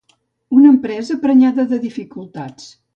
Una empresa prenyada de dificultats.